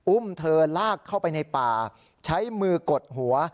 อุ้มเธอลากเข้าไปในป่าใช้มือกดหัว